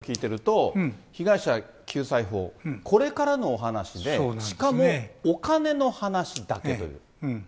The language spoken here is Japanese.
五郎さん、皆さんのお話を聞いていると、被害者救済法、これからのお話で、しかもお金の話だけという。